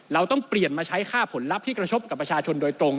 เราต้องเปลี่ยนมาใช้ค่าผลลัพธ์ที่กระทบกับประชาชนโดยตรง